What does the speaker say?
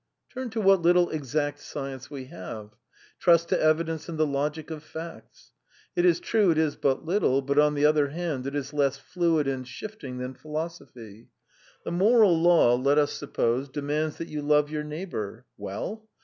"Turn to what little exact science we have. Trust to evidence and the logic of facts. It is true it is but little, but, on the other hand, it is less fluid and shifting than philosophy. The moral law, let us suppose, demands that you love your neighbour. Well?